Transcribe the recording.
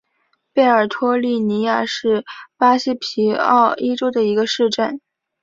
贝尔托利尼亚是巴西皮奥伊州的一个市镇。